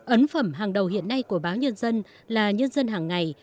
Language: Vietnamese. ấn phẩm hàng đầu hiện nay của báo nhân dân là nhân dân hàng ngày